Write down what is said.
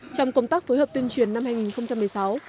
trong công tác phối hợp tuyên truyền năm hai nghìn một mươi sáu